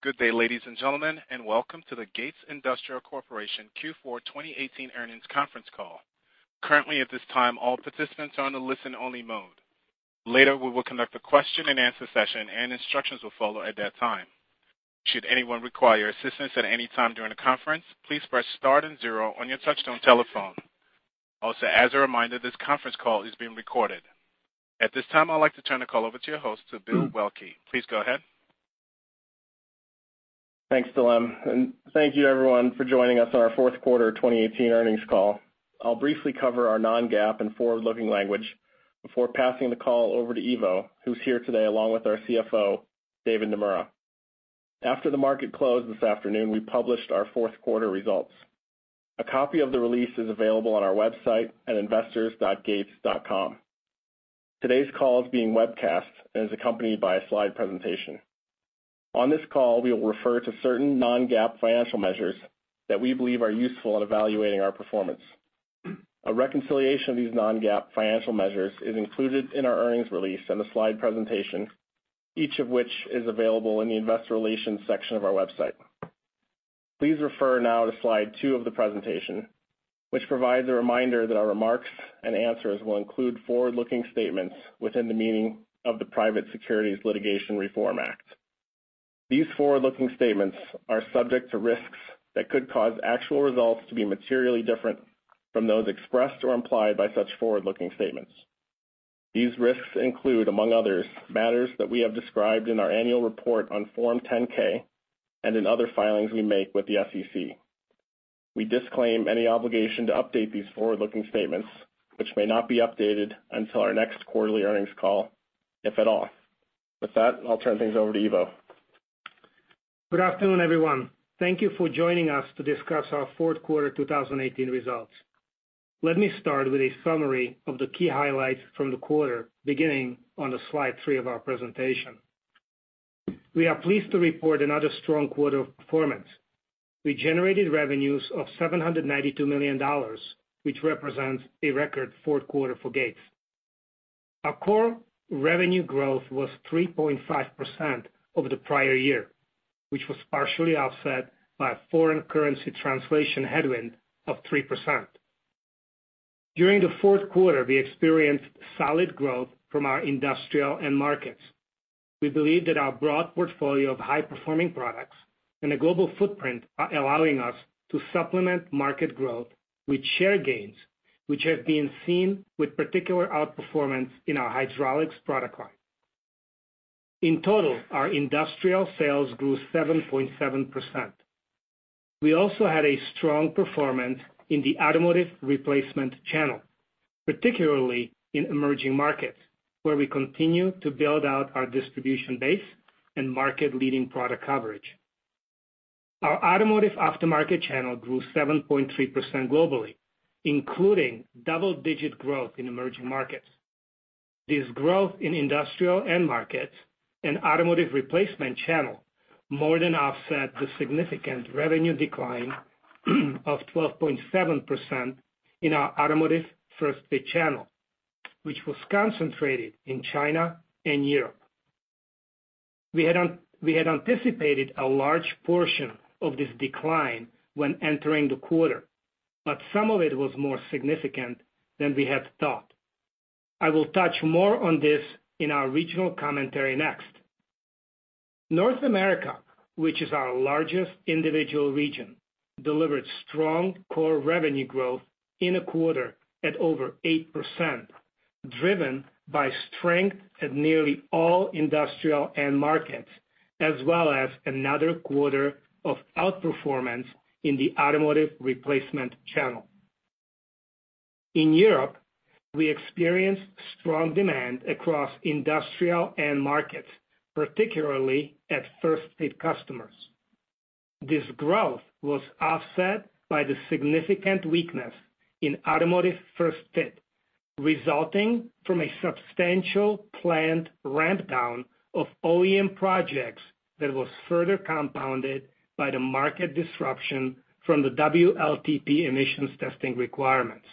Good day, ladies and gentlemen, and welcome to the Gates Industrial Corporation Q4 2018 earnings conference call. Currently, at this time, all participants are in the listen-only mode. Later, we will conduct a question-and-answer session, and instructions will follow at that time. Should anyone require assistance at any time during the conference, please press star and zero on your touchstone telephone. Also, as a reminder, this conference call is being recorded. At this time, I'd like to turn the call over to your host, Bill Waelke. Please go ahead. Thanks, Dulem. Thank you, everyone, for joining us on our fourth quarter 2018 earnings call. I'll briefly cover our non-GAAP and forward-looking language before passing the call over to Ivo, who's here today along with our CFO, David Naemura. After the market closed this afternoon, we published our fourth quarter results. A copy of the release is available on our website at investors.gates.com. Today's call is being webcast and is accompanied by a slide presentation. On this call, we will refer to certain non-GAAP financial measures that we believe are useful in evaluating our performance. A reconciliation of these non-GAAP financial measures is included in our earnings release and the slide presentation, each of which is available in the Investor Relations section of our website. Please refer now to slide two of the presentation, which provides a reminder that our remarks and answers will include forward-looking statements within the meaning of the Private Securities Litigation Reform Act. These forward-looking statements are subject to risks that could cause actual results to be materially different from those expressed or implied by such forward-looking statements. These risks include, among others, matters that we have described in our annual report on Form 10-K and in other filings we make with the SEC. We disclaim any obligation to update these forward-looking statements, which may not be updated until our next quarterly earnings call, if at all. With that, I'll turn things over to Ivo. Good afternoon, everyone. Thank you for joining us to discuss our fourth quarter 2018 results. Let me start with a summary of the key highlights from the quarter, beginning on the slide three of our presentation. We are pleased to report another strong quarter of performance. We generated revenues of $792 million, which represents a record fourth quarter for Gates. Our core revenue growth was 3.5% over the prior year, which was partially offset by a foreign currency translation headwind of 3%. During the fourth quarter, we experienced solid growth from our industrial end markets. We believe that our broad portfolio of high-performing products and the global footprint are allowing us to supplement market growth with share gains, which have been seen with particular outperformance in our hydraulics product line. In total, our industrial sales grew 7.7%. We also had a strong performance in the automotive replacement channel, particularly in emerging markets, where we continue to build out our distribution base and market-leading product coverage. Our automotive aftermarket channel grew 7.3% globally, including double-digit growth in emerging markets. This growth in industrial end markets and automotive replacement channel more than offset the significant revenue decline of 12.7% in our automotive first-fit channel, which was concentrated in China and Europe. We had anticipated a large portion of this decline when entering the quarter, but some of it was more significant than we had thought. I will touch more on this in our regional commentary next. North America, which is our largest individual region, delivered strong core revenue growth in a quarter at over 8%, driven by strength at nearly all industrial end markets, as well as another quarter of outperformance in the automotive replacement channel. In Europe, we experienced strong demand across industrial end markets, particularly at first-fit customers. This growth was offset by the significant weakness in automotive first-fit, resulting from a substantial planned ramp-down of OEM projects that was further compounded by the market disruption from the WLTP emissions testing requirements.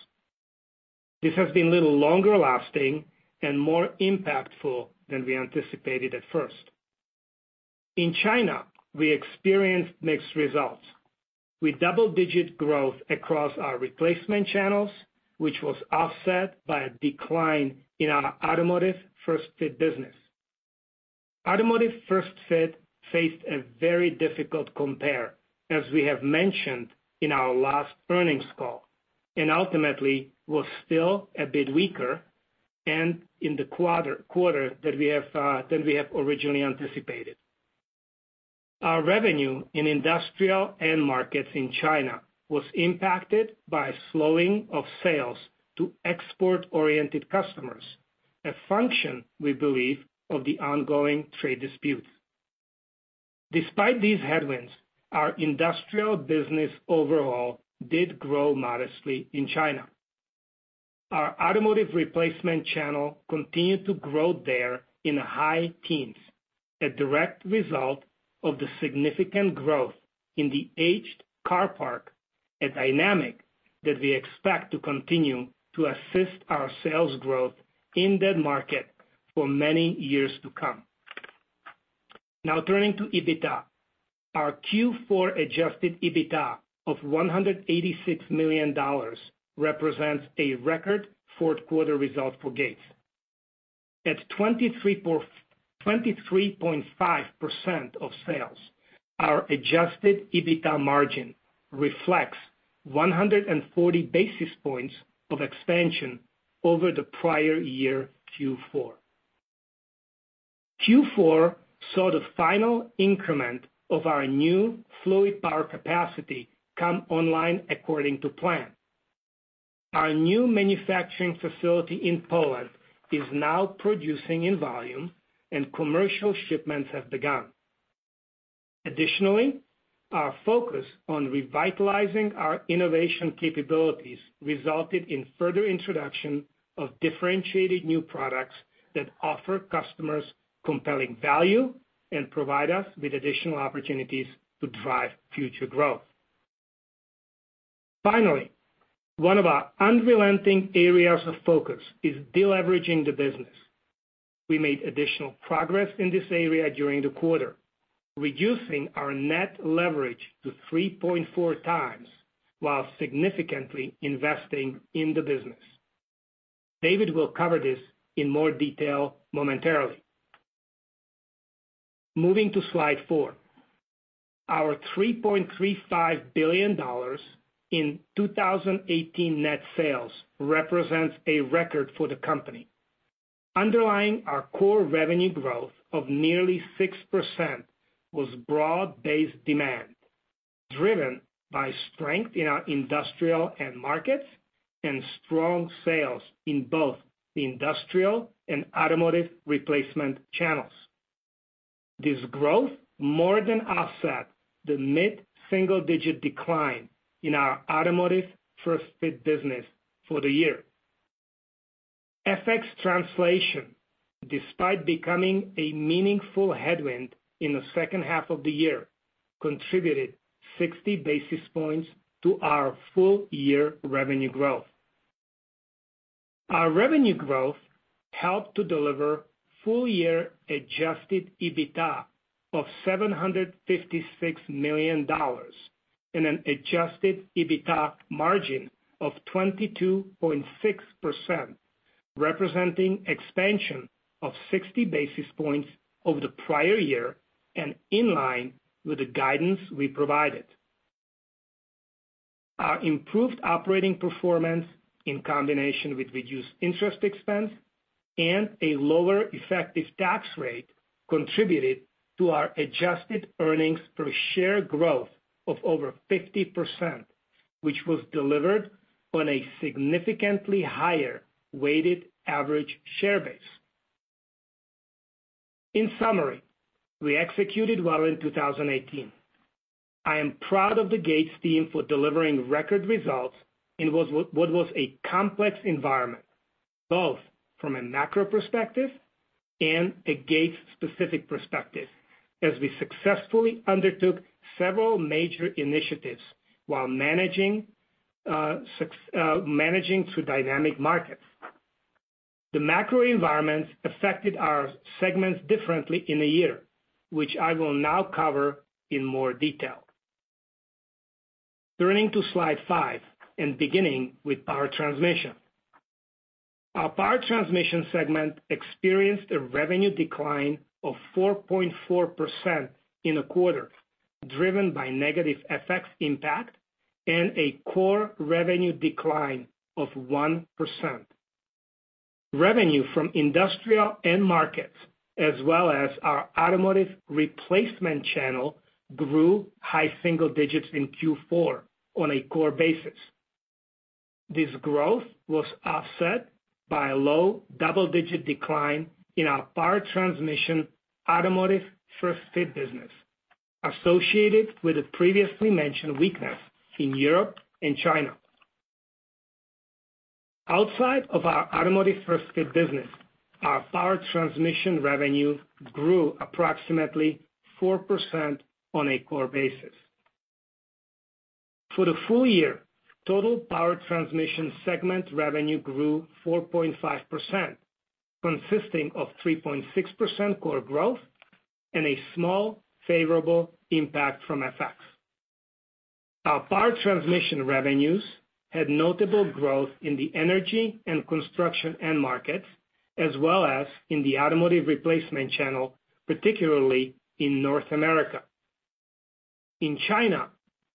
This has been a little longer lasting and more impactful than we anticipated at first. In China, we experienced mixed results. We saw double-digit growth across our replacement channels, which was offset by a decline in our automotive first-fit business. Automotive first-fit faced a very difficult compare, as we have mentioned in our last earnings call, and ultimately was still a bit weaker in the quarter than we have originally anticipated. Our revenue in industrial end markets in China was impacted by a slowing of sales to export-oriented customers, a function, we believe, of the ongoing trade disputes. Despite these headwinds, our industrial business overall did grow modestly in China. Our automotive replacement channel continued to grow there in high teens, a direct result of the significant growth in the aged car parc, a dynamic that we expect to continue to assist our sales growth in that market for many years to come. Now, turning to EBITDA, our Q4 adjusted EBITDA of $186 million represents a record fourth quarter result for Gates. At 23.5% of sales, our adjusted EBITDA margin reflects 140 basis points of expansion over the prior year Q4. Q4 saw the final increment of our new fluid power capacity come online according to plan. Our new manufacturing facility in Poland is now producing in volume, and commercial shipments have begun. Additionally, our focus on revitalizing our innovation capabilities resulted in further introduction of differentiated new products that offer customers compelling value and provide us with additional opportunities to drive future growth. Finally, one of our unrelenting areas of focus is deleveraging the business. We made additional progress in this area during the quarter, reducing our net leverage to 3.4 times while significantly investing in the business. David will cover this in more detail momentarily. Moving to slide four, our $3.35 billion in 2018 net sales represents a record for the company. Underlying our core revenue growth of nearly 6% was broad-based demand, driven by strength in our industrial end markets and strong sales in both the industrial and automotive replacement channels. This growth more than offset the mid-single-digit decline in our automotive first-fit business for the year. FX translation, despite becoming a meaningful headwind in the second half of the year, contributed 60 basis points to our full-year revenue growth. Our revenue growth helped to deliver full-year adjusted EBITDA of $756 million and an adjusted EBITDA margin of 22.6%, representing expansion of 60 basis points over the prior year and in line with the guidance we provided. Our improved operating performance, in combination with reduced interest expense and a lower effective tax rate, contributed to our adjusted earnings per share growth of over 50%, which was delivered on a significantly higher weighted average share base. In summary, we executed well in 2018. I am proud of the Gates team for delivering record results in what was a complex environment, both from a macro perspective and a Gates-specific perspective, as we successfully undertook several major initiatives while managing through dynamic markets. The macro environments affected our segments differently in a year, which I will now cover in more detail. Turning to slide five and beginning with Power Transmission. Our Power Transmission segment experienced a revenue decline of 4.4% in a quarter, driven by negative FX impact and a core revenue decline of 1%. Revenue from industrial end markets, as well as our automotive replacement channel, grew high-single digits in Q4 on a core basis. This growth was offset by a low-double-digit decline in our Power Transmission automotive first-fit business, associated with the previously mentioned weakness in Europe and China. Outside of our automotive first-fit business, our Power Transmission revenue grew approximately 4% on a core basis. For the full year, total Power Transmission segment revenue grew 4.5%, consisting of 3.6% core growth and a small favorable impact from FX. Our Power Transmission revenues had notable growth in the energy and construction end markets, as well as in the automotive replacement channel, particularly in North America. In China,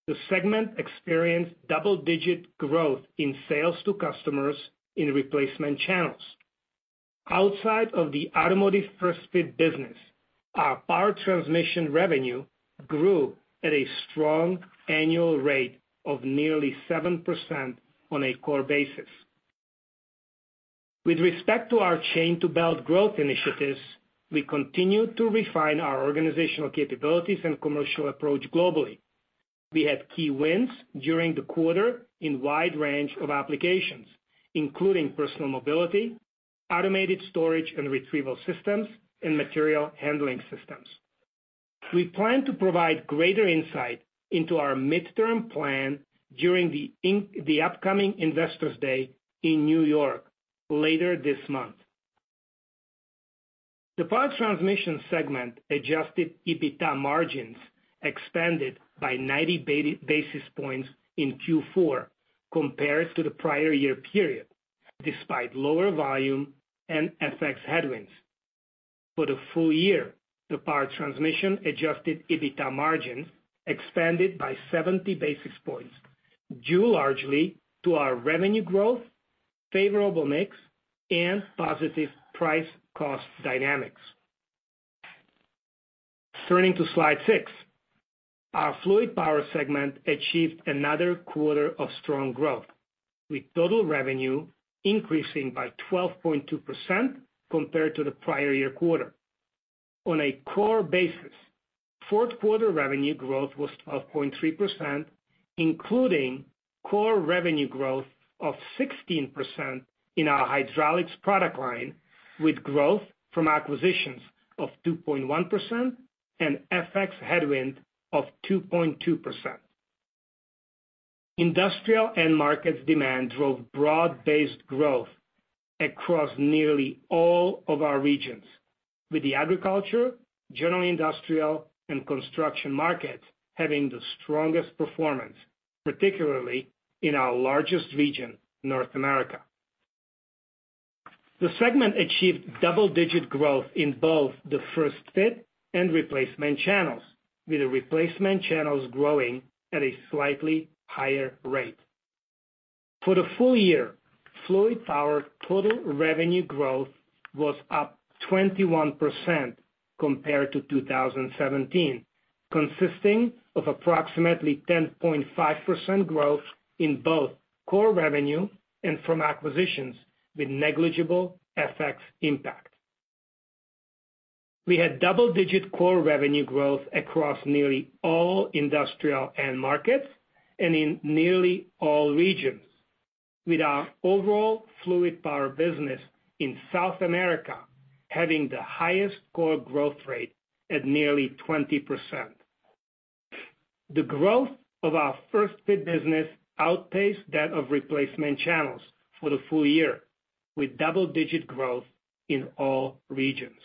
the segment experienced double-digit growth in sales to customers in replacement channels. Outside of the automotive first-fit business, our Power Transmission revenue grew at a strong annual rate of nearly 7% on a core basis. With respect to our chain-to-belt growth initiatives, we continue to refine our organizational capabilities and commercial approach globally. We had key wins during the quarter in a wide range of applications, including personal mobility, automated storage and retrieval systems, and material handling systems. We plan to provide greater insight into our midterm plan during the upcoming Investors' Day in New York later this month. The Power Transmission segment adjusted EBITDA margins expanded by 90 basis points in Q4 compared to the prior-year period, despite lower volume and FX headwinds. For the full year, the Power Transmission adjusted EBITDA margins expanded by 70 basis points, due largely to our revenue growth, favorable mix, and positive price-cost dynamics. Turning to slide six, our Fluid Power segment achieved another quarter of strong growth, with total revenue increasing by 12.2% compared to the prior-year quarter. On a core basis, fourth quarter revenue growth was 12.3%, including core revenue growth of 16% in our hydraulics product line, with growth from acquisitions of 2.1% and FX headwind of 2.2%. Industrial end markets demand drove broad-based growth across nearly all of our regions, with the agriculture, general industrial, and construction markets having the strongest performance, particularly in our largest region, North America. The segment achieved double-digit growth in both the first-fit and replacement channels, with the replacement channels growing at a slightly higher rate. For the full year, Fluid Power total revenue growth was up 21% compared to 2017, consisting of approximately 10.5% growth in both core revenue and from acquisitions, with negligible FX impact. We had double-digit core revenue growth across nearly all industrial end markets and in nearly all regions, with our overall Fluid Power business in South America having the highest core growth rate at nearly 20%. The growth of our first-fit business outpaced that of replacement channels for the full year, with double-digit growth in all regions.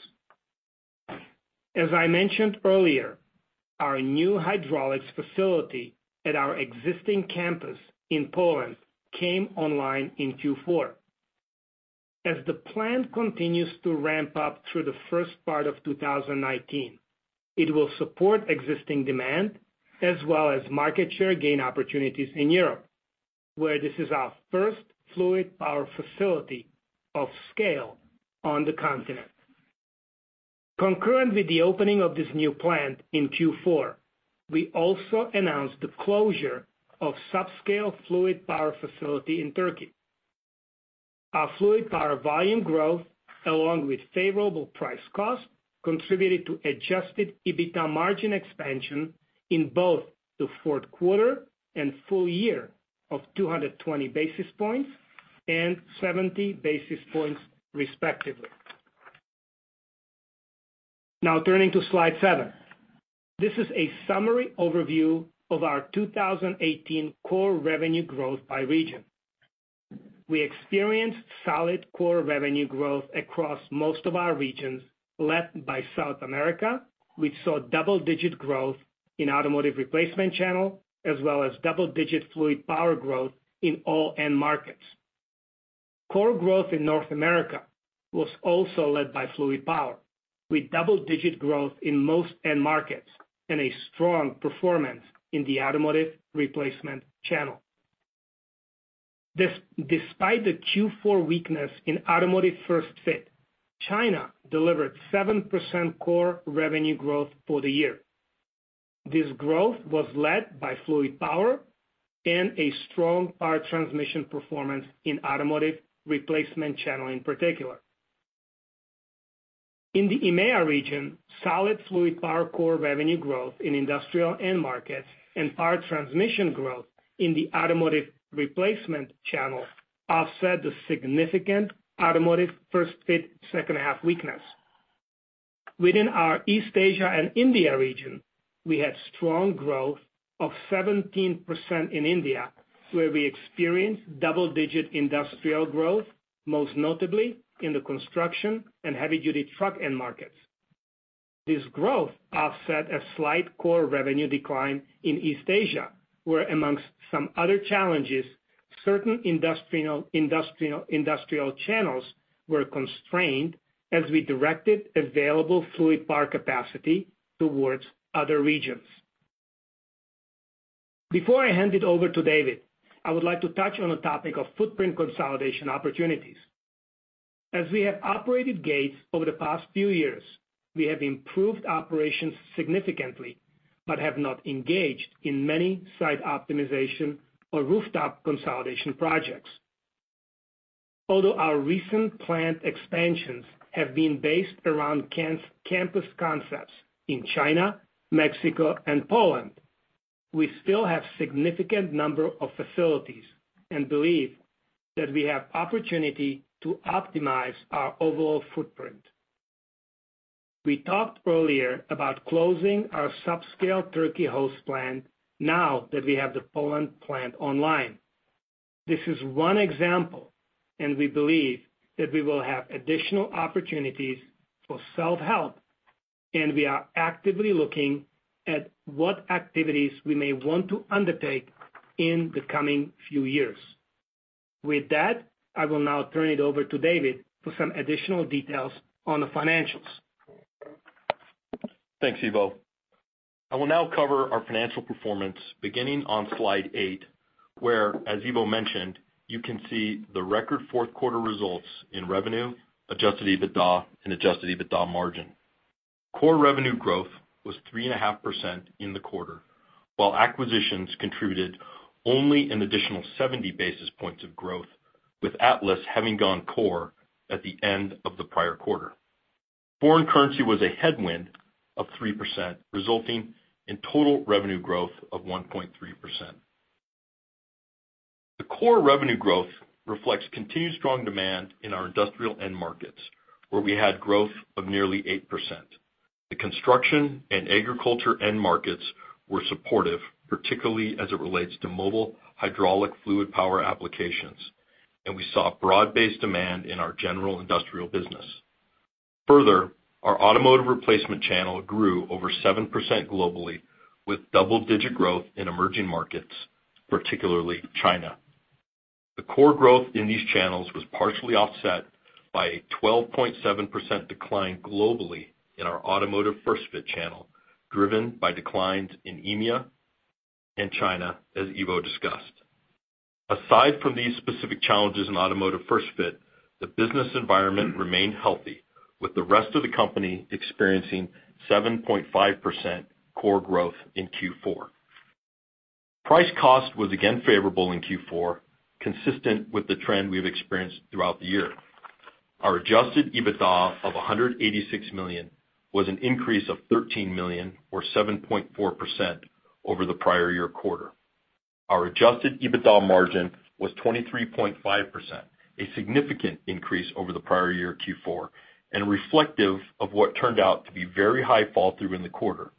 As I mentioned earlier, our new hydraulics facility at our existing campus in Poland came online in Q4. As the plant continues to ramp up through the first part of 2019, it will support existing demand as well as market share gain opportunities in Europe, where this is our first fluid power facility of scale on the continent. Concurrent with the opening of this new plant in Q4, we also announced the closure of subscale fluid power facility in Turkey. Our Fluid Power volume growth, along with favorable price-cost, contributed to adjusted EBITDA margin expansion in both the fourth quarter and full year of 220 basis points and 70 basis points, respectively. Now, turning to slide seven, this is a summary overview of our 2018 core revenue growth by region. We experienced solid core revenue growth across most of our regions led by South America, which saw double-digit growth in automotive replacement channel, as well as double-digit Fluid Power growth in all end markets. Core growth in North America was also led by Fluid Power, with double-digit growth in most end markets and a strong performance in the automotive replacement channel. Despite the Q4 weakness in automotive first-fit, China delivered 7% core revenue growth for the year. This growth was led by Fluid Power and a strong Power Transmission performance in the automotive replacement channel in particular. In the EMEA region, solid Fluid Power core revenue growth in industrial end markets and Power Transmission growth in the automotive replacement channel offset the significant automotive first-fit second-half weakness. Within our East Asia and India region, we had strong growth of 17% in India, where we experienced double-digit industrial growth, most notably in the construction and heavy-duty truck end markets. This growth offset a slight core revenue decline in East Asia, where, amongst some other challenges, certain industrial channels were constrained as we directed available fluid power capacity towards other regions. Before I hand it over to David, I would like to touch on a topic of footprint consolidation opportunities. As we have operated Gates over the past few years, we have improved operations significantly but have not engaged in many site optimization or rooftop consolidation projects. Although our recent plant expansions have been based around campus concepts in China, Mexico, and Poland, we still have a significant number of facilities and believe that we have opportunity to optimize our overall footprint. We talked earlier about closing our subscale Turkey hose plant now that we have the Poland plant online. This is one example, and we believe that we will have additional opportunities for self-help, and we are actively looking at what activities we may want to undertake in the coming few years. With that, I will now turn it over to David for some additional details on the financials. Thanks, Ivo. I will now cover our financial performance, beginning on slide eight, where, as Ivo mentioned, you can see the record fourth quarter results in revenue, adjusted EBITDA, and adjusted EBITDA margin. Core revenue growth was 3.5% in the quarter, while acquisitions contributed only an additional 70 basis points of growth, with Atlas having gone core at the end of the prior quarter. Foreign currency was a headwind of 3%, resulting in total revenue growth of 1.3%. The core revenue growth reflects continued strong demand in our industrial end markets, where we had growth of nearly 8%. The construction and agriculture end markets were supportive, particularly as it relates to mobile hydraulic fluid power applications, and we saw broad-based demand in our general industrial business. Further, our automotive replacement channel grew over 7% globally, with double-digit growth in emerging markets, particularly China. The core growth in these channels was partially offset by a 12.7% decline globally in our automotive first-fit channel, driven by declines in EMEA and China, as Ivo discussed. Aside from these specific challenges in automotive first-fit, the business environment remained healthy, with the rest of the company experiencing 7.5% core growth in Q4. Price-cost was again favorable in Q4, consistent with the trend we've experienced throughout the year. Our adjusted EBITDA of $186 million was an increase of $13 million, or 7.4%, over the prior-year quarter. Our adjusted EBITDA margin was 23.5%, a significant increase over the prior-year Q4 and reflective of what turned out to be very high fall-through in the quarter.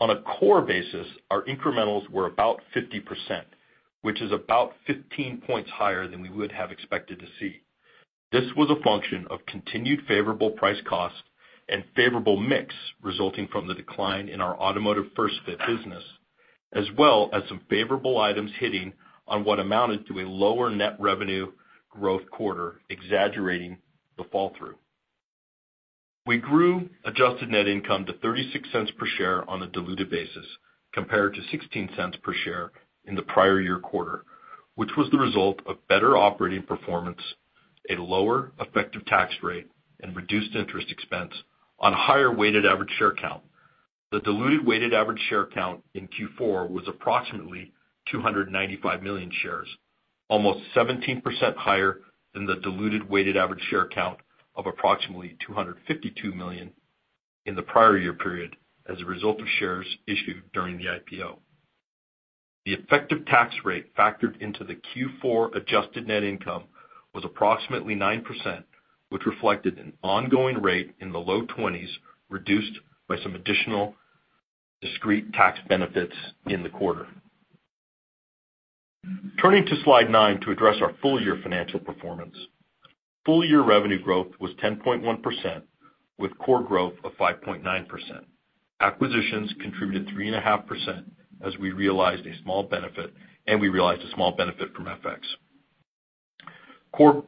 On a core basis, our incrementals were about 50%, which is about 15 points higher than we would have expected to see. This was a function of continued favorable price-cost and favorable mix resulting from the decline in our automotive first-fit business, as well as some favorable items hitting on what amounted to a lower net revenue growth quarter, exaggerating the fall-through. We grew adjusted net income to $0.36 per share on a diluted basis, compared to $0.16 per share in the prior-year quarter, which was the result of better operating performance, a lower effective tax rate, and reduced interest expense on a higher weighted average share count. The diluted weighted average share count in Q4 was approximately 295 million shares, almost 17% higher than the diluted weighted average share count of approximately 252 million in the prior-year period as a result of shares issued during the IPO. The effective tax rate factored into the Q4 adjusted net income was approximately 9%, which reflected an ongoing rate in the low 20s, reduced by some additional discrete tax benefits in the quarter. Turning to slide nine to address our full-year financial performance, full-year revenue growth was 10.1%, with core growth of 5.9%. Acquisitions contributed 3.5%, as we realized a small benefit, and we realized a small benefit from FX. Core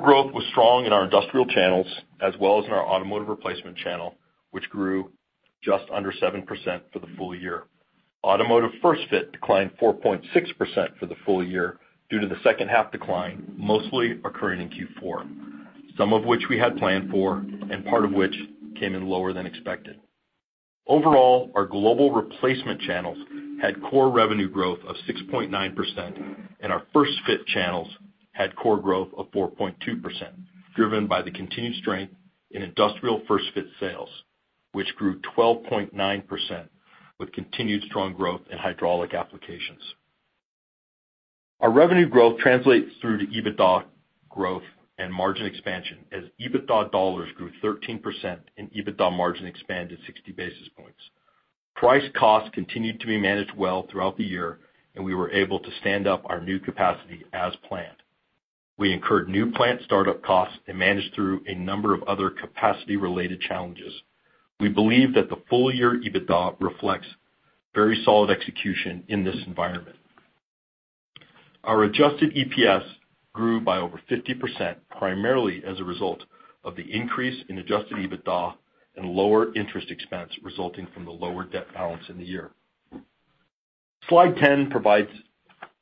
growth was strong in our industrial channels, as well as in our automotive replacement channel, which grew just under 7% for the full year. Automotive first-fit declined 4.6% for the full year due to the second-half decline, mostly occurring in Q4, some of which we had planned for and part of which came in lower than expected. Overall, our global replacement channels had core revenue growth of 6.9%, and our first-fit channels had core growth of 4.2%, driven by the continued strength in industrial first-fit sales, which grew 12.9%, with continued strong growth in hydraulic applications. Our revenue growth translates through to EBITDA growth and margin expansion, as EBITDA dollars grew 13% and EBITDA margin expanded 60 basis points. Price-cost continued to be managed well throughout the year, and we were able to stand up our new capacity as planned. We incurred new plant startup costs and managed through a number of other capacity-related challenges. We believe that the full-year EBITDA reflects very solid execution in this environment. Our adjusted EPS grew by over 50%, primarily as a result of the increase in adjusted EBITDA and lower interest expense resulting from the lower debt balance in the year. Slide 10 provides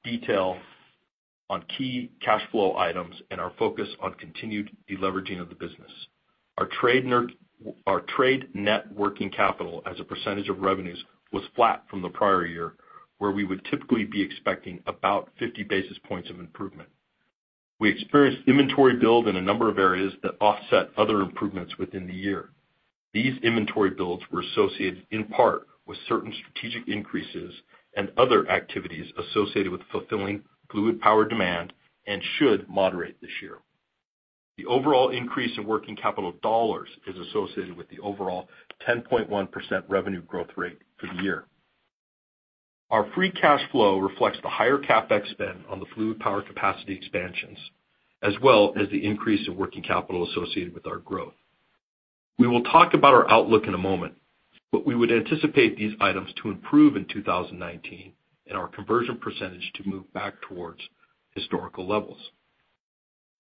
detail on key cash flow items and our focus on continued deleveraging of the business. Our trade net working capital as a percentage of revenues was flat from the prior year, where we would typically be expecting about 50 basis points of improvement. We experienced inventory build in a number of areas that offset other improvements within the year. These inventory builds were associated in part with certain strategic increases and other activities associated with fulfilling fluid power demand and should moderate this year. The overall increase in working capital dollars is associated with the overall 10.1% revenue growth rate for the year. Our free cash flow reflects the higher CapEx spend on the fluid power capacity expansions, as well as the increase in working capital associated with our growth. We will talk about our outlook in a moment, but we would anticipate these items to improve in 2019 and our conversion percentage to move back towards historical levels.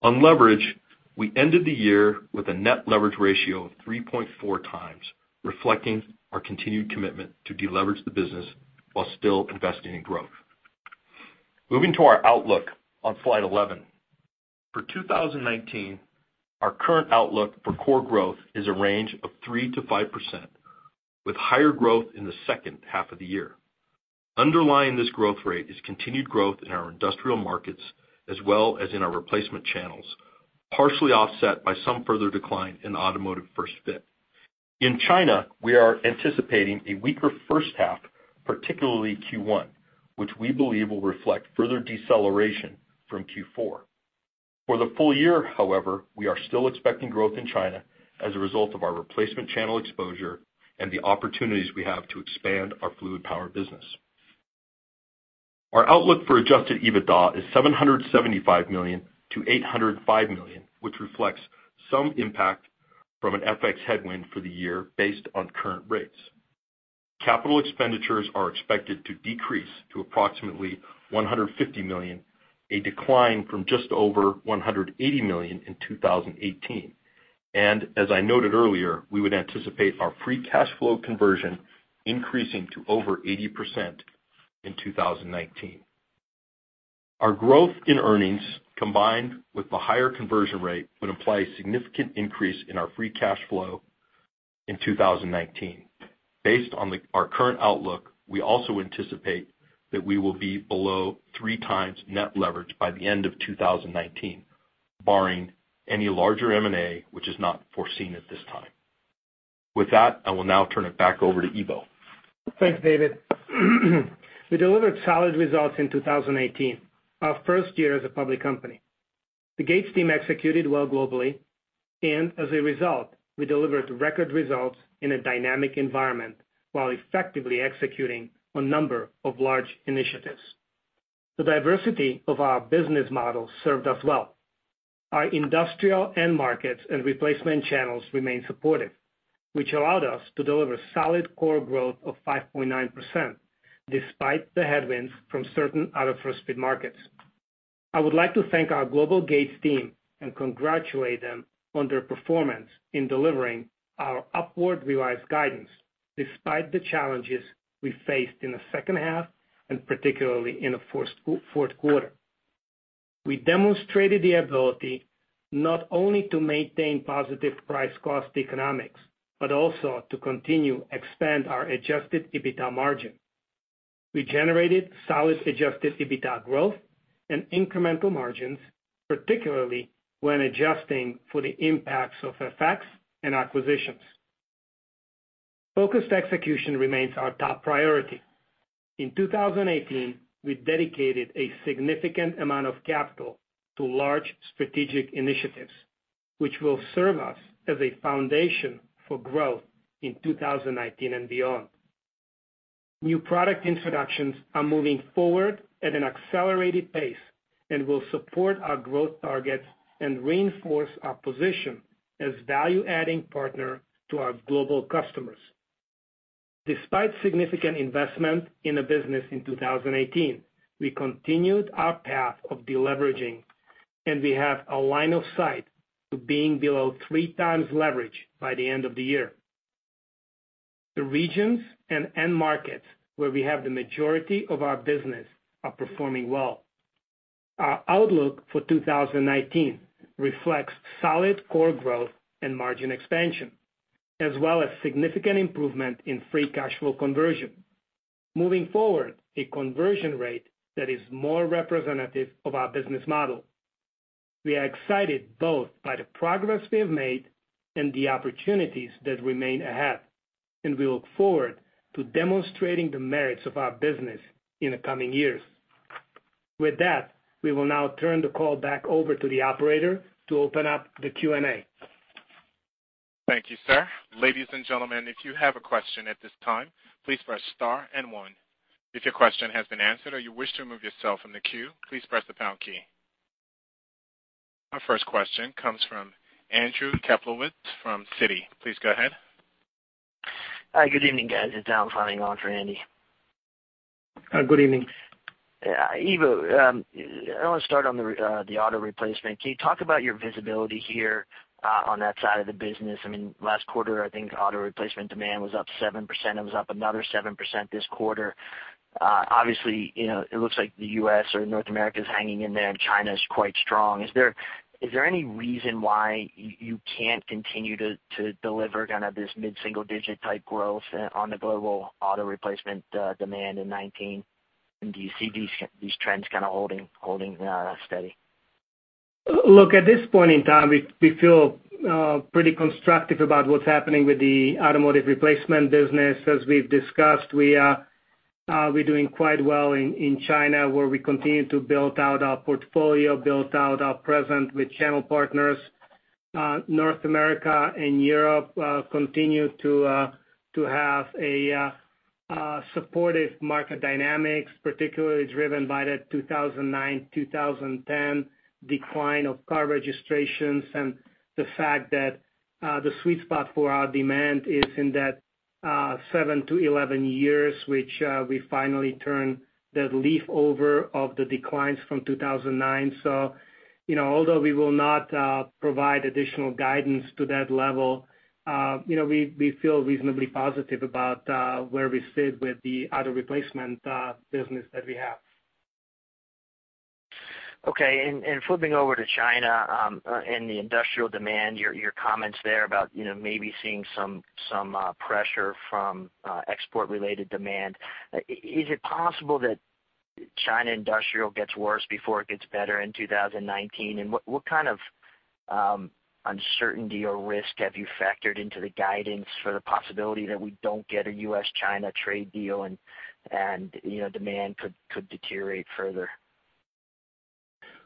On leverage, we ended the year with a net leverage ratio of 3.4 times, reflecting our continued commitment to deleverage the business while still investing in growth. Moving to our outlook on slide 11. For 2019, our current outlook for core growth is a range of 3%-5%, with higher growth in the second half of the year. Underlying this growth rate is continued growth in our industrial markets, as well as in our replacement channels, partially offset by some further decline in automotive first-fit. In China, we are anticipating a weaker first half, particularly Q1, which we believe will reflect further deceleration from Q4. For the full year, however, we are still expecting growth in China as a result of our replacement channel exposure and the opportunities we have to expand our Fluid Power business. Our outlook for adjusted EBITDA is $775 million-$805 million, which reflects some impact from an FX headwind for the year based on current rates. Capital expenditures are expected to decrease to approximately $150 million, a decline from just over $180 million in 2018. As I noted earlier, we would anticipate our free cash flow conversion increasing to over 80% in 2019. Our growth in earnings, combined with the higher conversion rate, would imply a significant increase in our free cash flow in 2019. Based on our current outlook, we also anticipate that we will be below three times net leverage by the end of 2019, barring any larger M&A, which is not foreseen at this time. With that, I will now turn it back over to Ivo. Thanks, David. We delivered solid results in 2018, our first year as a public company. The Gates team executed well globally, and as a result, we delivered record results in a dynamic environment while effectively executing a number of large initiatives. The diversity of our business model served us well. Our industrial end markets and replacement channels remained supportive, which allowed us to deliver solid core growth of 5.9% despite the headwinds from certain auto first-fit markets. I would like to thank our global Gates team and congratulate them on their performance in delivering our upward-revised guidance despite the challenges we faced in the second half and particularly in the fourth quarter. We demonstrated the ability not only to maintain positive price-cost economics but also to continue to expand our adjusted EBITDA margin. We generated solid adjusted EBITDA growth and incremental margins, particularly when adjusting for the impacts of FX and acquisitions. Focused execution remains our top priority. In 2018, we dedicated a significant amount of capital to large strategic initiatives, which will serve us as a foundation for growth in 2019 and beyond. New product introductions are moving forward at an accelerated pace and will support our growth targets and reinforce our position as a value-adding partner to our global customers. Despite significant investment in the business in 2018, we continued our path of deleveraging, and we have a line of sight to being below three times leverage by the end of the year. The regions and end markets where we have the majority of our business are performing well. Our outlook for 2019 reflects solid core growth and margin expansion, as well as significant improvement in free cash flow conversion, moving forward a conversion rate that is more representative of our business model. We are excited both by the progress we have made and the opportunities that remain ahead, and we look forward to demonstrating the merits of our business in the coming years. With that, we will now turn the call back over to the operator to open up the Q&A. Thank you, sir. Ladies and gentlemen, if you have a question at this time, please press star and one. If your question has been answered or you wish to remove yourself from the queue, please press the pound key. Our first question comes from Andrew Kaplowitz from Citi. Please go ahead. Hi, good evening, guys. It's Alan Fleming on for Andy. Hi, good evening. Ivo, I want to start on the auto replacement. Can you talk about your visibility here on that side of the business? I mean, last quarter, I think auto replacement demand was up 7%. It was up another 7% this quarter. Obviously, it looks like the U.S. or North America is hanging in there, and China is quite strong. Is there any reason why you can't continue to deliver kind of this mid-single-digit type growth on the global auto replacement demand in 2019? Do you see these trends kind of holding steady? Look, at this point in time, we feel pretty constructive about what's happening with the automotive replacement business. As we've discussed, we are doing quite well in China, where we continue to build out our portfolio, build out our presence with channel partners. North America and Europe continue to have supportive market dynamics, particularly driven by the 2009-2010 decline of car registrations and the fact that the sweet spot for our demand is in that 7 to 11 years, which we finally turned the leaf over of the declines from 2009. Although we will not provide additional guidance to that level, we feel reasonably positive about where we sit with the auto replacement business that we have. Okay. Flipping over to China and the industrial demand, your comments there about maybe seeing some pressure from export-related demand, is it possible that China industrial gets worse before it gets better in 2019? What kind of uncertainty or risk have you factored into the guidance for the possibility that we do not get a U.S.-China trade deal and demand could deteriorate further?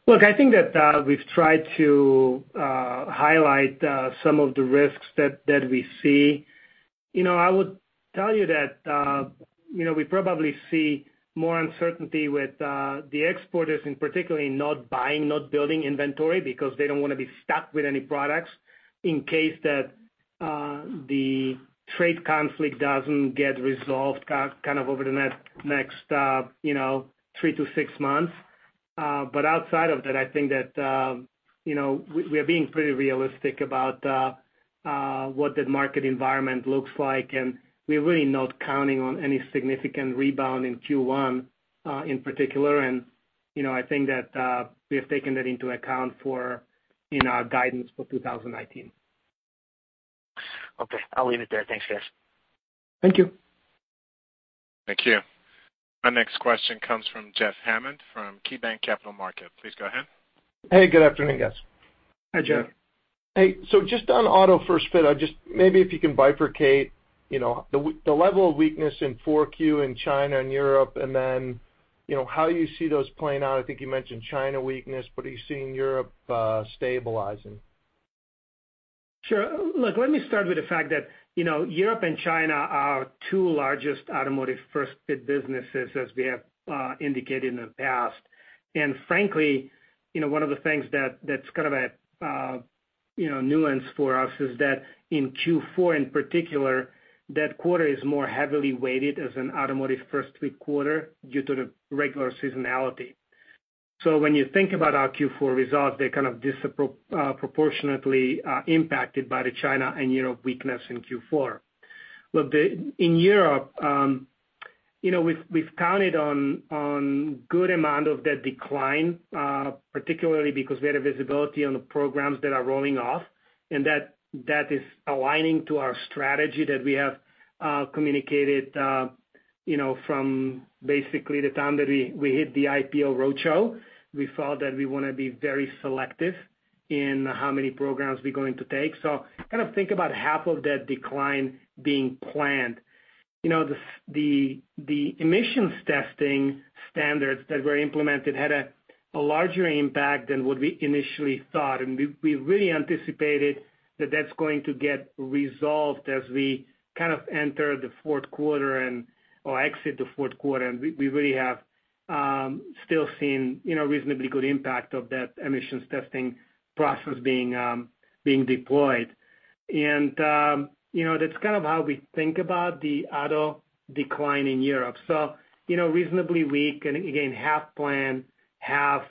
Look, I think that we have tried to highlight some of the risks that we see. I would tell you that we probably see more uncertainty with the exporters, in particular, in not buying, not building inventory because they do not want to be stuck with any products in case the trade conflict does not get resolved over the next three to six months. Outside of that, I think that we are being pretty realistic about what the market environment looks like, and we're really not counting on any significant rebound in Q1 in particular. I think that we have taken that into account in our guidance for 2019. Okay. I'll leave it there. Thanks, guys. Thank you. Thank you. Our next question comes from Jeff Hammond from KeyBanc Capital Markets. Please go ahead. Hey, good afternoon, guys. Hi, Jeff. Hey. Just on auto first-fit, maybe if you can bifurcate the level of weakness in Q4 in China and Europe, and then how you see those playing out. I think you mentioned China weakness. What are you seeing Europe stabilizing? Sure. Look, let me start with the fact that Europe and China are two largest automotive first-fit businesses, as we have indicated in the past. Frankly, one of the things that's kind of a nuance for us is that in Q4 in particular, that quarter is more heavily weighted as an automotive first-fit quarter due to the regular seasonality. When you think about our Q4 results, they're kind of disproportionately impacted by the China and Europe weakness in Q4. Look, in Europe, we've counted on a good amount of that decline, particularly because we had a visibility on the programs that are rolling off, and that is aligning to our strategy that we have communicated from basically the time that we hit the IPO Roadshow. We felt that we want to be very selective in how many programs we're going to take. Kind of think about half of that decline being planned. The emissions testing standards that were implemented had a larger impact than what we initially thought. We really anticipated that is going to get resolved as we kind of enter the fourth quarter or exit the fourth quarter. We really have still seen a reasonably good impact of that emissions testing process being deployed. That is kind of how we think about the auto decline in Europe. Reasonably weak and, again, half planned, half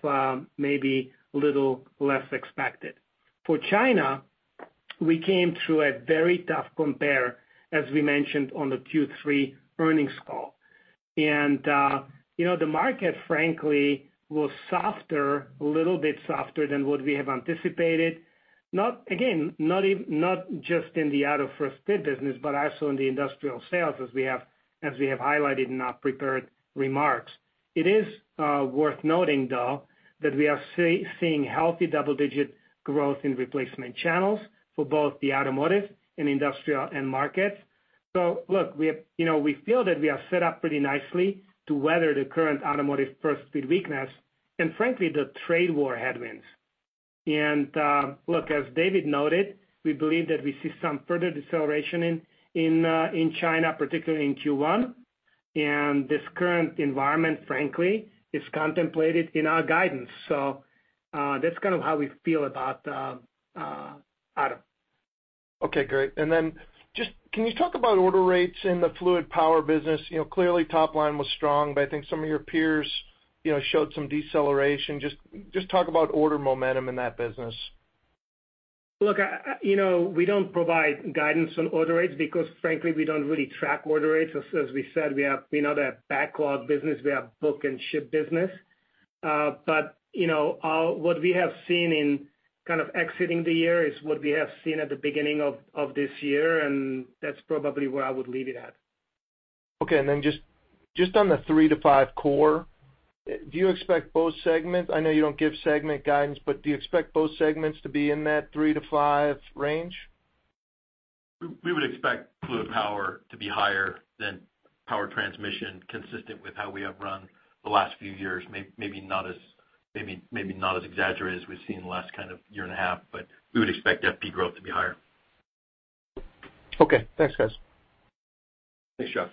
maybe a little less expected. For China, we came through a very tough compare, as we mentioned on the Q3 earnings call. The market, frankly, was softer, a little bit softer than what we have anticipated, again, not just in the auto first-fit business, but also in the industrial sales, as we have highlighted in our prepared remarks. It is worth noting, though, that we are seeing healthy double-digit growth in replacement channels for both the automotive and industrial end markets. Look, we feel that we are set up pretty nicely to weather the current automotive first-fit weakness and, frankly, the trade war headwinds. As David noted, we believe that we see some further deceleration in China, particularly in Q1. This current environment, frankly, is contemplated in our guidance. That is kind of how we feel about auto. Okay. Great. Can you talk about order rates in the Fluid Power business? Clearly, top line was strong, but I think some of your peers showed some deceleration. Just talk about order momentum in that business. Look, we do not provide guidance on order rates because, frankly, we do not really track order rates. As we said, we are not a backlog business. We are a book and ship business. What we have seen in kind of exiting the year is what we have seen at the beginning of this year, and that's probably where I would leave it at. Okay. And then just on the 3% to 5% core, do you expect both segments? I know you do not give segment guidance, but do you expect both segments to be in that 3% to 5% range? We would expect Fluid Power to be higher than Power Transmission, consistent with how we have run the last few years. Maybe not as exaggerated as we have seen the last kind of year and a half, but we would expect FP growth to be higher. Okay. Thanks, guys. Thanks, Jeff.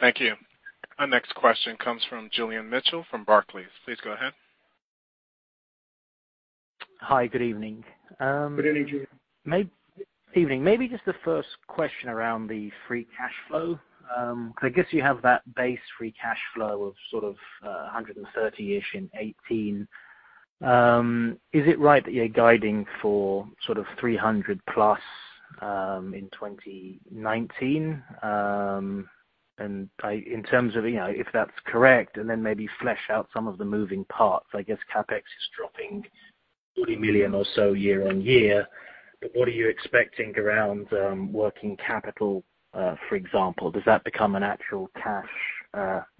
Thank you. Our next question comes from Julian Mitchell from Barclays. Please go ahead. Hi, good evening. Good evening, Julian. Evening. Maybe just the first question around the free cash flow. I guess you have that base free cash flow of sort of $130 million in 2018. Is it right that you're guiding for sort of $300 million-plus in 2019? Is that correct, and then maybe flesh out some of the moving parts. I guess CapEx is dropping $40 million or so year-on-year. What are you expecting around working capital, for example? Does that become an actual cash,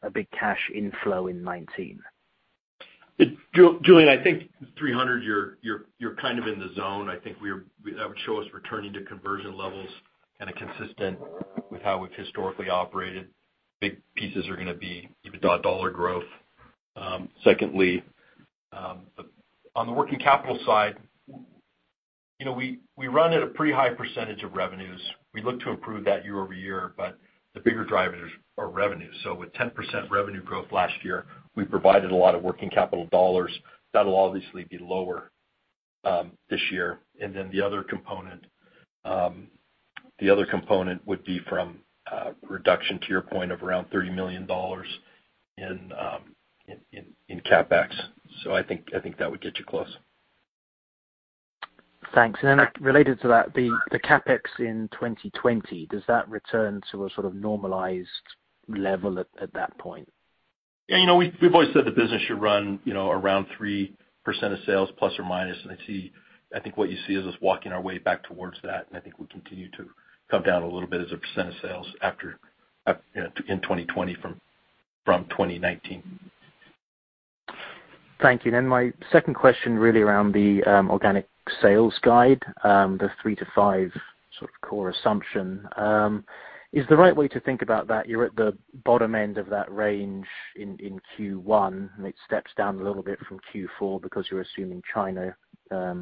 a big cash inflow in 2019? Julian, I think $300 million, you're kind of in the zone. I think that would show us returning to conversion levels kind of consistent with how we've historically operated. Big pieces are going to be EBITDA dollar growth. Secondly, on the working capital side, we run at a pretty high percentage of revenues. We look to improve that year-over-year, but the bigger drivers are revenue. With 10% revenue growth last year, we provided a lot of working capital dollars. That will obviously be lower this year. The other component would be from reduction, to your point, of around $30 million in CapEx. I think that would get you close. Thanks. Related to that, the CapEx in 2020, does that return to a sort of normalized level at that point? Yeah. We've always said the business should run around 3% of sales, plus or minus. I think what you see is us walking our way back towards that. I think we continue to come down a little bit as a percent of sales in 2020 from 2019. Thank you. My second question really around the organic sales guide, the 3% to 5% sort of core assumption. Is the right way to think about that? You're at the bottom end of that range in Q1. It steps down a little bit from Q4 because you're assuming China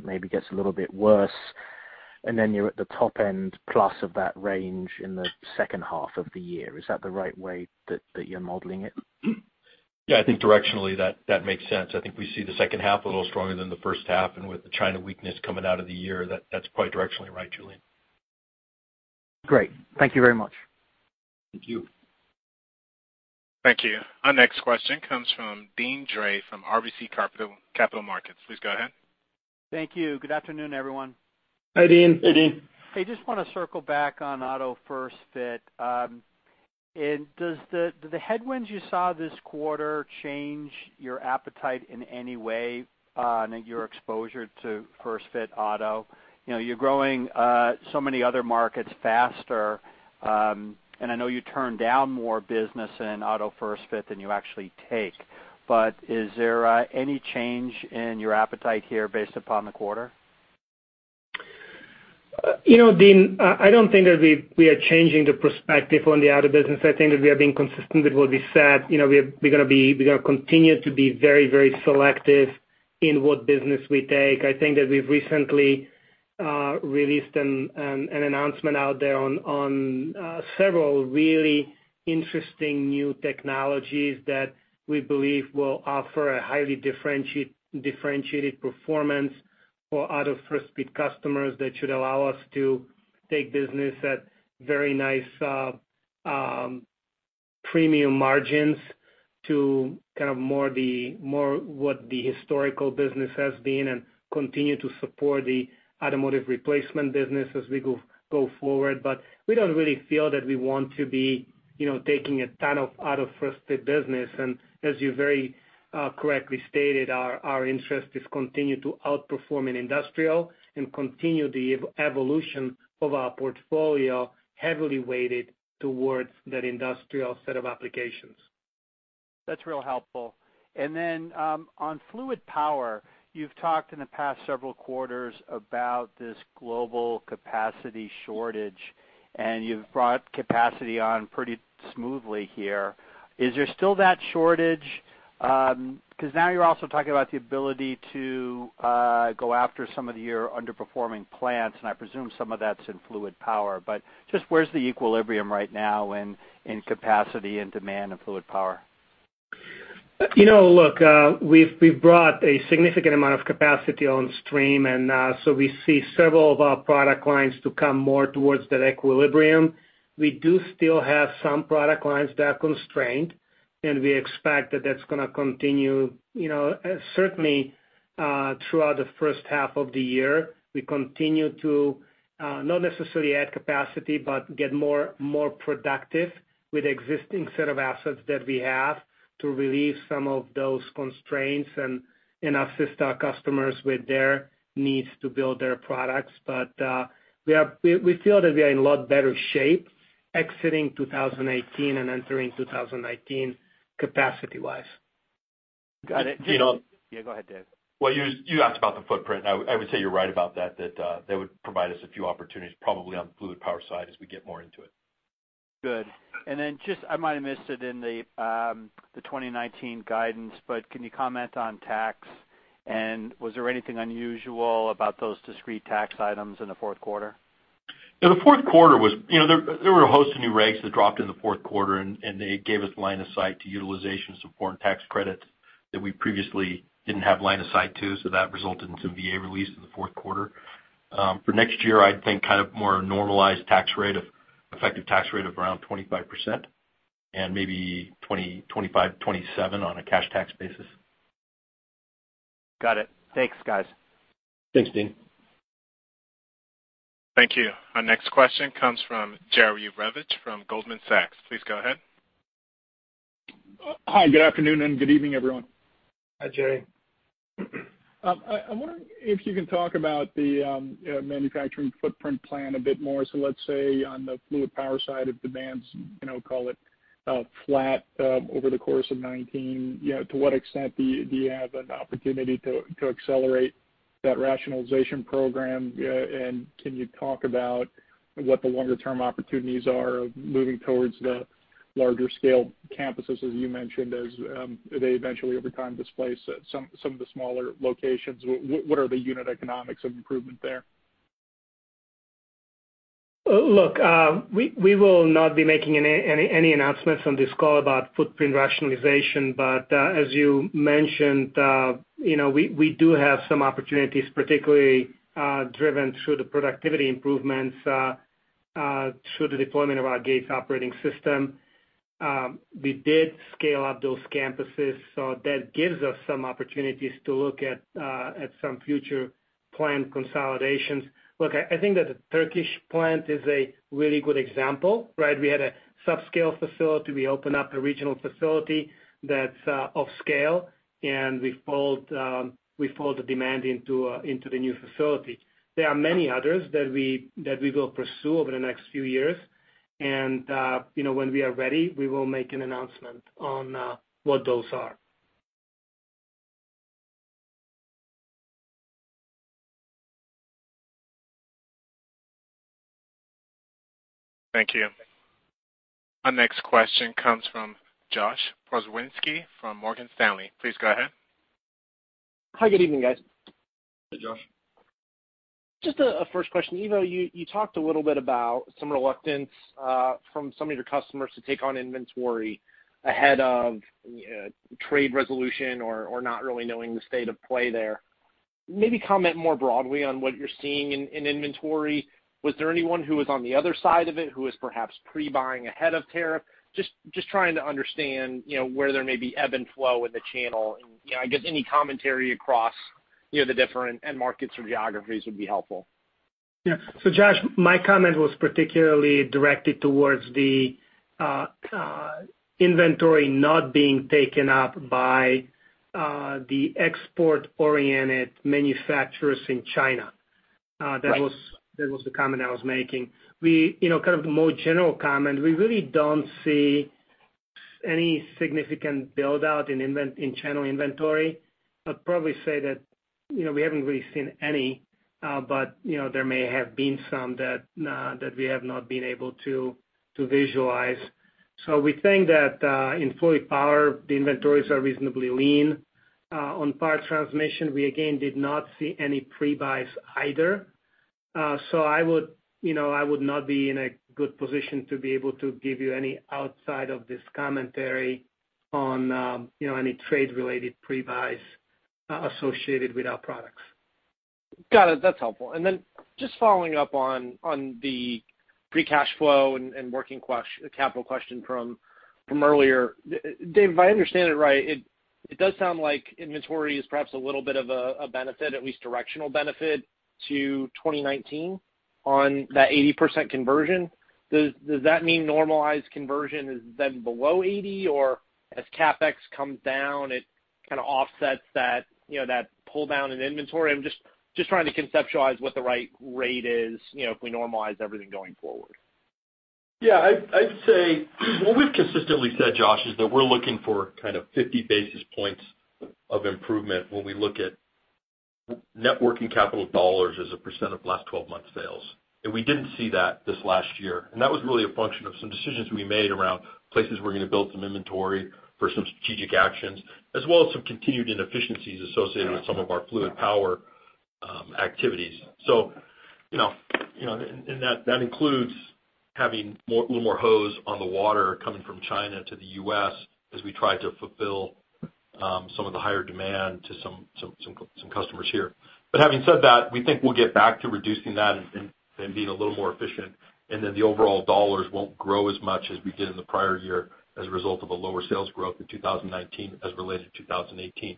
maybe gets a little bit worse. You are at the top end plus of that range in the second half of the year. Is that the right way that you're modeling it? Yeah. I think directionally, that makes sense. I think we see the second half a little stronger than the first half. With the China weakness coming out of the year, that's quite directionally right, Julian. Great. Thank you very much. Thank you. Thank you. Our next question comes from Deane Dray from RBC Capital Markets. Please go ahead. Thank you. Good afternoon, everyone. Hi, Deane. Hey, Deane. Hey, just want to circle back on auto first-fit. Did the headwinds you saw this quarter change your appetite in any way? I know your exposure to first-fit auto. You're growing so many other markets faster. I know you turned down more business in auto first-fit than you actually take. Is there any change in your appetite here based upon the quarter? Deane, I don't think that we are changing the perspective on the auto business. I think that we have been consistent with what we said. We're going to continue to be very, very selective in what business we take. I think that we've recently released an announcement out there on several really interesting new technologies that we believe will offer a highly differentiated performance for auto first-fit customers that should allow us to take business at very nice premium margins to kind of more what the historical business has been and continue to support the automotive replacement business as we go forward. We do not really feel that we want to be taking a ton of auto first-fit business. As you very correctly stated, our interest is to continue to outperform in industrial and continue the evolution of our portfolio heavily weighted towards that industrial set of applications. That is real helpful. On Fluid Power, you have talked in the past several quarters about this global capacity shortage, and you have brought capacity on pretty smoothly here. Is there still that shortage? Now you are also talking about the ability to go after some of your underperforming plants. I presume some of that is in Fluid Power. Where is the equilibrium right now in capacity and demand of Fluid Power? Look, we have brought a significant amount of capacity on stream. We see several of our product lines come more towards that equilibrium. We do still have some product lines that are constrained, and we expect that that's going to continue. Certainly, throughout the first half of the year, we continue to not necessarily add capacity, but get more productive with the existing set of assets that we have to relieve some of those constraints and assist our customers with their needs to build their products. We feel that we are in a lot better shape exiting 2018 and entering 2019 capacity-wise. Got it. Yeah. Go ahead, Dave. You asked about the footprint. I would say you're right about that, that they would provide us a few opportunities, probably on the fluid power side, as we get more into it. Good. I might have missed it in the 2019 guidance, but can you comment on tax? Was there anything unusual about those discrete tax items in the fourth quarter? Yeah. The fourth quarter, there were a host of new regs that dropped in the fourth quarter, and they gave us line of sight to utilization of some foreign tax credits that we previously didn't have line of sight to. That resulted in some VA release in the fourth quarter. For next year, I'd think kind of more normalized tax rate, effective tax rate of around 25% and maybe 25%, 27% on a cash tax basis. Got it. Thanks, guys. Thanks, Deane. Thank you. Our next question comes from Jerry Revich from Goldman Sachs. Please go ahead. Hi. Good afternoon and good evening, everyone. Hi, Jerry. I'm wondering if you can talk about the manufacturing footprint plan a bit more. Let's say on the Fluid Power side of demands, call it flat over the course of 2019. To what extent do you have an opportunity to accelerate that rationalization program? Can you talk about what the longer-term opportunities are of moving towards the larger-scale campuses, as you mentioned, as they eventually, over time, displace some of the smaller locations? What are the unit economics of improvement there? Look, we will not be making any announcements on this call about footprint rationalization. As you mentioned, we do have some opportunities, particularly driven through the productivity improvements through the deployment of our Gates operating system. We did scale up those campuses, so that gives us some opportunities to look at some future plant consolidations. I think that the Turkish plant is a really good example, right? We had a subscale facility. We opened up a regional facility that's off-scale, and we fold the demand into the new facility. There are many others that we will pursue over the next few years. When we are ready, we will make an announcement on what those are. Thank you. Our next question comes from Josh Pokrzywinski from Morgan Stanley. Please go ahead. Hi, good evening, guys. Hi, Josh. Just a first question. You talked a little bit about some reluctance from some of your customers to take on inventory ahead of trade resolution or not really knowing the state of play there. Maybe comment more broadly on what you're seeing in inventory. Was there anyone who was on the other side of it who was perhaps pre-buying ahead of tariff? Just trying to understand where there may be ebb and flow in the channel. I guess any commentary across the different end markets or geographies would be helpful. Yeah. Josh, my comment was particularly directed towards the inventory not being taken up by the export-oriented manufacturers in China. That was the comment I was making. Kind of the more general comment, we really do not see any significant build-out in channel inventory. I would probably say that we have not really seen any, but there may have been some that we have not been able to visualize. We think that in Fluid Power, the inventories are reasonably lean. On Power Transmission, we again did not see any pre-buys either. I would not be in a good position to be able to give you any outside of this commentary on any trade-related pre-buys associated with our products. Got it. That is helpful. Just following up on the pre-cash flow and working capital question from earlier, Dave, if I understand it right, it does sound like inventory is perhaps a little bit of a benefit, at least directional benefit, to 2019 on that 80% conversion. Does that mean normalized conversion is then below 80%, or as CapEx comes down, it kind of offsets that pull-down in inventory? I'm just trying to conceptualize what the right rate is if we normalize everything going forward. Yeah. I'd say what we've consistently said, Josh, is that we're looking for kind of 50 basis points of improvement when we look at networking capital dollars as a percent of last 12 months' sales. We did not see that this last year. That was really a function of some decisions we made around places we are going to build some inventory for some strategic actions, as well as some continued inefficiencies associated with some of our Fluid Power activities. That includes having a little more hose on the water coming from China to the U.S. as we try to fulfill some of the higher demand to some customers here. Having said that, we think we will get back to reducing that and being a little more efficient. The overall dollars will not grow as much as we did in the prior year as a result of the lower sales growth in 2019 as related to 2018.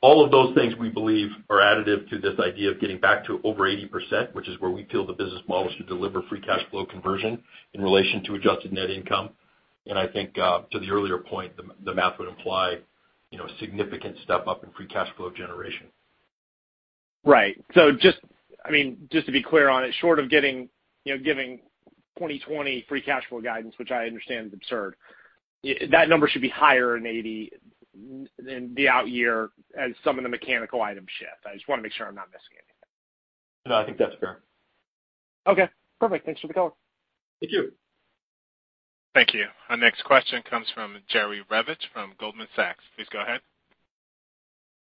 All of those things we believe are additive to this idea of getting back to over 80%, which is where we feel the business model should deliver free cash flow conversion in relation to adjusted net income. I think to the earlier point, the math would imply a significant step-1up in free cash flow generation. Right. I mean, just to be clear on it, short of giving 2020 free cash flow guidance, which I understand is absurd, that number should be higher than 80% in the out year as some of the mechanical items shift. I just want to make sure I'm not missing anything. No, I think that's fair. Okay. Perfect. Thanks for the call. Thank you. Thank you. Our next question comes from Jerry Revich from Goldman Sachs. Please go ahead.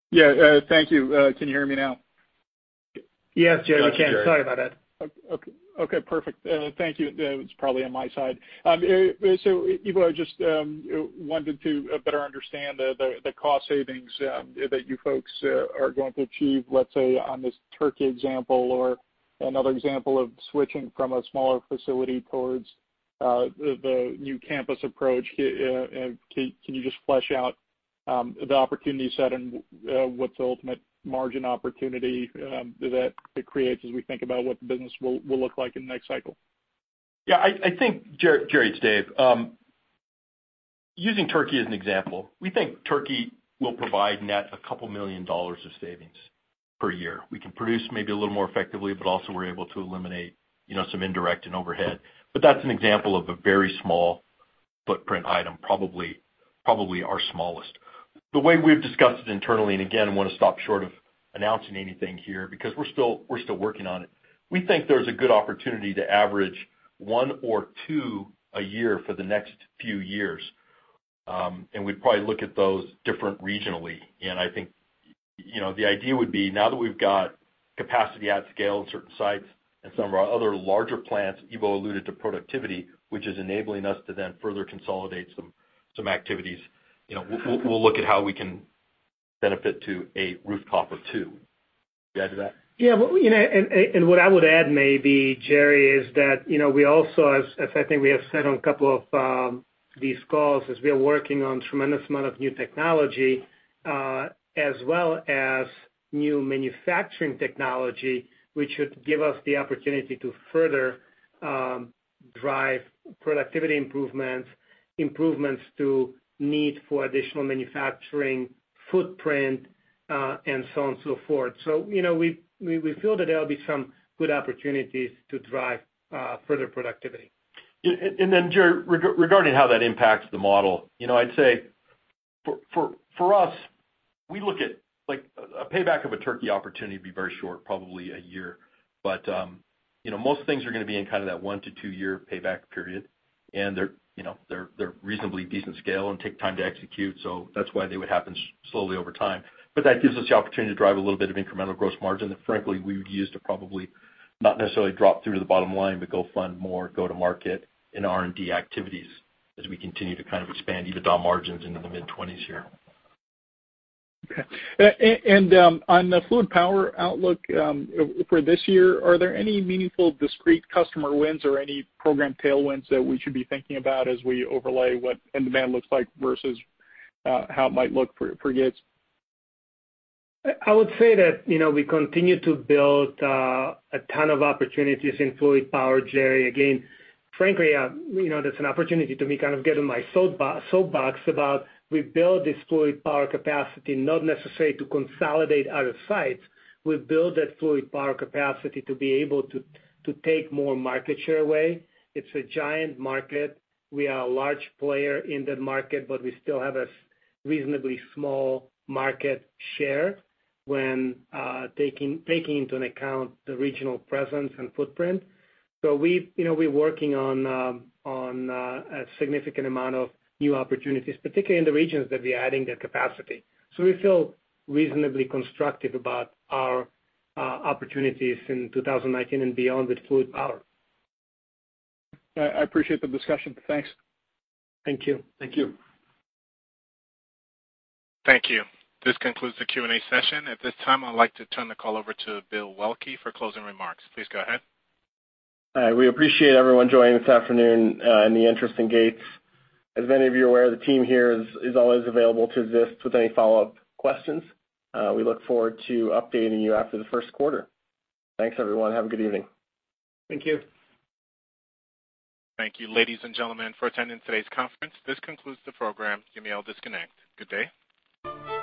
Yeah. Thank you. Can you hear me now? Yes, Jerry. We can. Sorry about that. Okay. Perfect. Thank you. It's probably on my side. Ivo I just wanted to better understand the cost savings that you folks are going to achieve, let's say on this Turkey example or another example of switching from a smaller facility towards the new campus approach, can you just flesh out the opportunity set and what's the ultimate margin opportunity that it creates as we think about what the business will look like in the next cycle? Yeah. I think, Jerry it's Dave, using Turkey as an example, we think Turkey will provide net a couple million dollars of savings per year. We can produce maybe a little more effectively, but also we're able to eliminate some indirect and overhead. That's an example of a very small footprint item, probably our smallest. The way we've discussed it internally, and again, I want to stop short of announcing anything here because we're still working on it, we think there's a good opportunity to average one or two a year for the next few years. We'd probably look at those different regionally. I think the idea would be now that we've got capacity at scale in certain sites and some of our other larger plants, Ivo alluded to productivity, which is enabling us to then further consolidate some activities. We'll look at how we can benefit to a rooftop or two. Do you add to that? Yeah. What I would add maybe, Jerry, is that we also, as I think we have said on a couple of these calls, as we are working on a tremendous amount of new technology as well as new manufacturing technology, which should give us the opportunity to further drive productivity improvements, improvements to need for additional manufacturing footprint, and so on and so forth. We feel that there will be some good opportunities to drive further productivity. Jerry, regarding how that impacts the model, I'd say for us, we look at a payback of a Turkey opportunity would be very short, probably a year. Most things are going to be in kind of that one-to two-year payback period. They are reasonably decent scale and take time to execute. That is why they would happen slowly over time. That gives us the opportunity to drive a little bit of incremental gross margin that, frankly, we would use to probably not necessarily drop through to the bottom line, but go fund more go-to-market and R&D activities as we continue to kind of expand even our margins into the mid-20s here. Okay. On the Fluid Power outlook for this year, are there any meaningful discrete customer wins or any program tailwinds that we should be thinking about as we overlay what end demand looks like versus how it might look for Gates? I would say that we continue to build a ton of opportunities in Fluid Power, Jerry. Again, frankly, that is an opportunity to me kind of get on my soapbox about we build this Fluid Power capacity, not necessarily to consolidate out of sites. We build that fluid power capacity to be able to take more market share away. It's a giant market. We are a large player in that market, but we still have a reasonably small market share when taking into account the regional presence and footprint. We are working on a significant amount of new opportunities, particularly in the regions that we are adding that capacity. We feel reasonably constructive about our opportunities in 2019 and beyond with Fluid Power. I appreciate the discussion. Thanks. Thank you. Thank you. Thank you. This concludes the Q&A session. At this time, I'd like to turn the call over to Bill Waelke for closing remarks. Please go ahead. We appreciate everyone joining this afternoon in the interesting Gates. As many of you are aware, the team here is always available to assist with any follow-up questions. We look forward to updating you after the first quarter. Thanks, everyone. Have a good evening. Thank you. Thank you, ladies and gentlemen, for attending today's conference. This concludes the program. You may all disconnect. Good day.